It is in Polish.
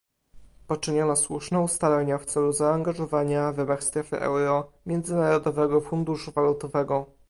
Poczyniono słuszne ustalenia w celu zaangażowania, w ramach strefy euro, Międzynarodowego Funduszu Walutowego